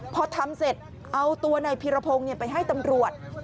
พอทำเสร็จเอาตัวนายพีรพงศ์ไปให้ตำรวจ